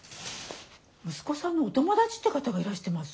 息子さんのお友達って方がいらしてます。